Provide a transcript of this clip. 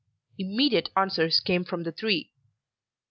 Immediate answers came from the three.